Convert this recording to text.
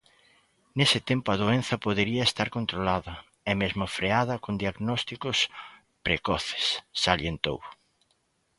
"Nese tempo a doenza podería estar controlada e mesmo freada con diagnósticos precoces", salientou.